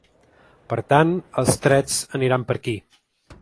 Per tant, els trets aniran per aquí.